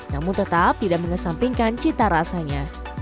namun tetap tidak mengesampingkan cita rasanya